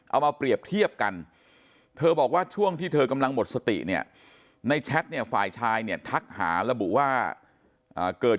เอามาเปรียบเทียบกันเธอบอกว่าช่วงที่เธอกำลังหมดสติเนี่ยในแชทเนี่ยฝ่ายชายเนี่ยทักหาระบุว่าเกิด